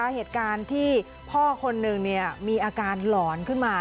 เหตุการณ์ที่พ่อคนหนึ่งมีอาการหลอนขึ้นมา